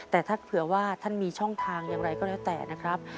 แต่ถ้าเผื่อว่าท่านมีช่องทางอย่างไรก็แล้วแต่นะครับ